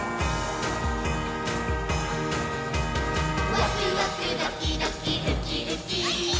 「ワクワクドキドキウキウキ」ウッキー！